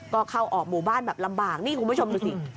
ก็เข้าออกหมู่บ้านแบบลำบากนี่คุณผู้ชมดูสิ